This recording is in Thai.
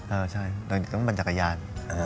เออใช่เราต้องบรรจักรยาน